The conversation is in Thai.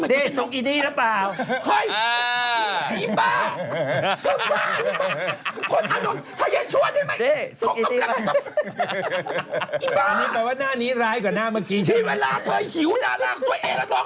เด้ซุกอีนี่หรือเปล่าเฮ้ยอีบ้าคือบ้า